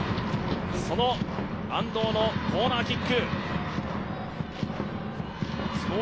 その安藤のコーナーキック。